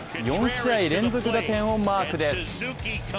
４試合連続打点をマークです。